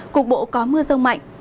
cục bộ có mưa rông mạnh